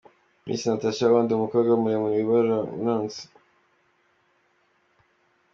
Miss Natacha : Oh, ndi umukobwa muremure wirabura, unanutse.